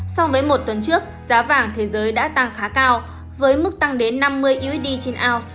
so với một tuần trước giá vàng thế giới đã tăng khá cao với mức tăng đến năm mươi usd trên ounce